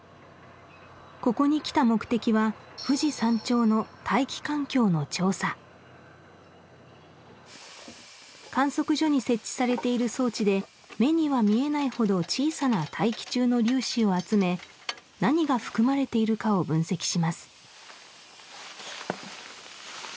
ここに来た目的はの調査観測所に設置されている装置で目には見えないほど小さな大気中の粒子を集め何が含まれているかを分析します